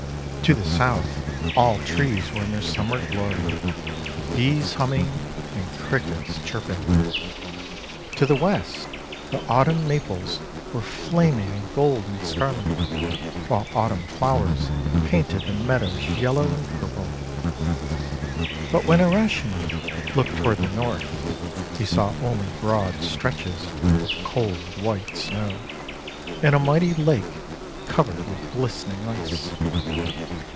To the South, all trees were in their Summer glory, Bees humming and Crickets chirping. To the West, the Autumn Maples were flam ing in gold and scarlet, while Autumn flowers painted the meadows yellow and purple. But when Urashima looked toward the North, he saw only broad stretches of cold white Snow, and a mighty lake covered with glistening Ice.